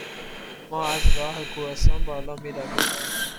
ما از راه کوهستان بالا می رویم؟